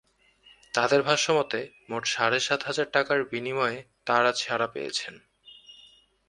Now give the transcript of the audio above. তাঁদের ভাষ্যমতে, মোট সাড়ে সাত হাজার টাকার বিনিময়ে তাঁরা ছাড়া পেয়েছেন।